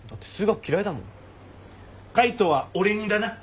海斗は俺似だな。